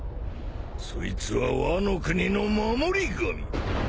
そいつはワノ国の守り神。